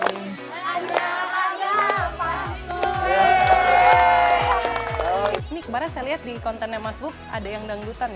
ini kemarin saya lihat di kontennya mas buk ada yang dangdutan ya